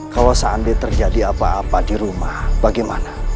kalau seandainya terjadi apa apa di rumah bagaimana